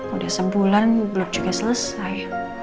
udah sebulan blok juga selesai